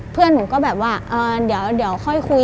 เพื่อนหนูก็แบบว่าเดี๋ยวค่อยคุย